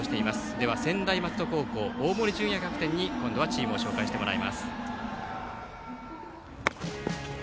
では、専大松戸高校大森准弥キャプテンにチームを紹介してもらいます。